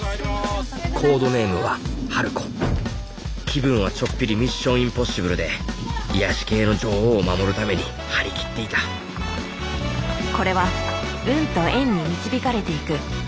気分はちょっぴり「ミッション：インポッシブル」で癒やし系の女王を守るために張り切っていたこれは運と縁に導かれていくある俳優の人生の物語。